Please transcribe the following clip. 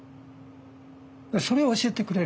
それを教えてくれる。